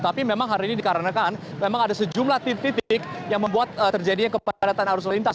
tapi memang hari ini dikarenakan memang ada sejumlah titik titik yang membuat terjadinya kepadatan arus lintas